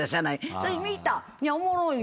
それで見た。